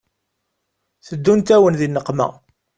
Teddunt-awen di nneqma